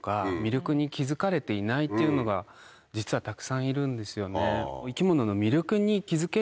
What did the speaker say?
っていうのが実はたくさんいるんですよね。